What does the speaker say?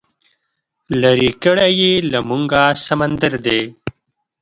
لرې کړی یې له موږه سمندر دی